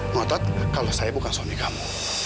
ngotot kalau saya bukan suami kamu